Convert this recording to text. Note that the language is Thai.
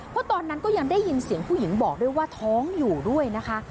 เพราะตอนนั้นก็ยังได้ยินเสียงผู้หญิงบอกด้วยว่าท้องอยู่ด้วยนะคะ